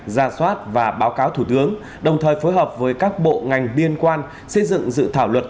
ra soát và báo cáo thủ tướng đồng thời phối hợp với các bộ ngành liên quan xây dựng dự thảo luật